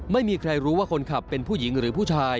ไม่มีใครรู้ว่าคนขับเป็นผู้หญิงหรือผู้ชาย